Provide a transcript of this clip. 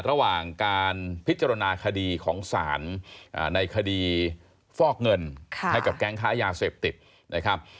อย่างการพิจารณาคดีของสารในคดีฟอกเงินให้กับแก๊งค้ายาเสพติด